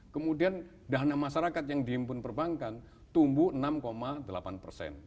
kemudian dana masyarakat yang dihimpun perbankan tumbuh enam delapan persen